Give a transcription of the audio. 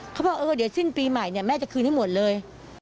เขาบอกเออเดี๋ยวสิ้นปีใหม่เนี่ยแม่จะคืนให้หมดเลย